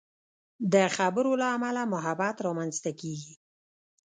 د خبرو له امله محبت رامنځته کېږي.